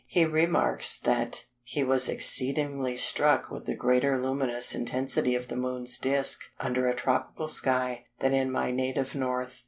He remarks that he was "exceedingly struck with the greater luminous intensity of the Moon's disc under a tropical sky than in my native North."